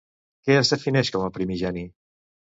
Què es defineix com a Primigeni?